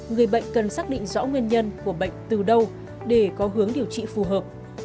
người bệnh cần xác định rõ nguyên nhân của bệnh từ đâu để có hướng điều trị phù hợp